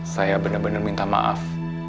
saya bener bener minta maaf